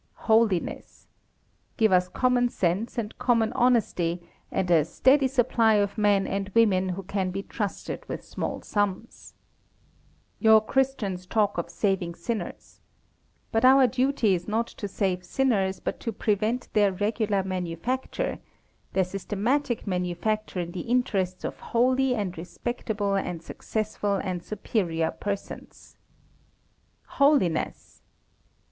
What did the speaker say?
Holiness! Give us common sense, and common honesty, and a "steady supply of men and women who can be trusted with small sums." Your Christians talk of saving sinners. But our duty is not to save sinners; but to prevent their regular manufacture: their systematic manufacture in the interests of holy and respectable and successful and superior persons. Holiness!